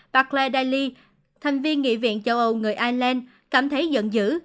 bà claire daly thành viên nghị viện châu âu người ireland cảm thấy giận dữ